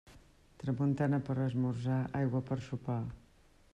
Tramuntana per esmorzar, aigua per sopar.